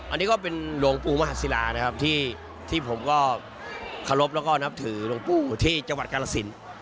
อันนี้ก็เป็นหลวงปู่มหาศิลานะครับที่ผมก็เคารพแล้วก็นับถือหลวงปู่ที่จังหวัดกาลสิน